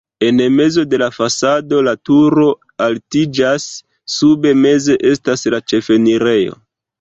En mezo de la fasado la turo altiĝas, sube meze estas la ĉefenirejo.